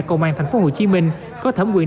công an thành phố hồ chí minh có thẩm quyền